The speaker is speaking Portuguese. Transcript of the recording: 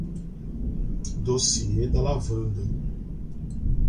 Dossiê da lavanda